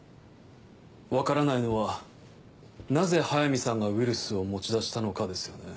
分からないのはなぜ速水さんがウイルスを持ち出したのかですよね。